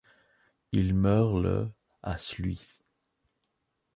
Il meurt le à Sluis.